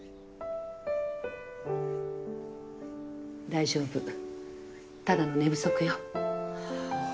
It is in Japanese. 大丈夫ただの寝不足よ。